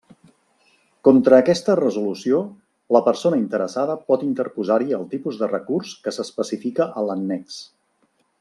Contra aquesta resolució, la persona interessada pot interposar-hi el tipus de recurs que s'especifica a l'annex.